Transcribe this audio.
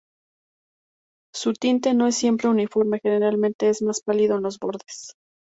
Su tinte no es siempre uniforme, generalmente es más pálido en los bordes.